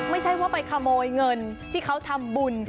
ไม่ใช่ว่าไปขโมยเงินที่เขาทำบุญ